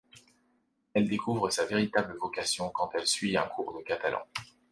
Elle découvre sa véritable vocation quand elle suit un cours de catalan.